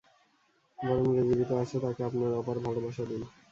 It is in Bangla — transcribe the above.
বরং, যে জীবিত আছে তাকে আপনার অপার ভালোবাসা দিন!